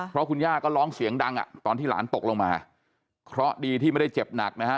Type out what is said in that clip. เพราะคุณย่าก็ร้องเสียงดังอ่ะตอนที่หลานตกลงมาเคราะห์ดีที่ไม่ได้เจ็บหนักนะฮะ